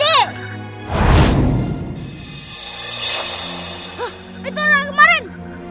hah itu orang yang kemarin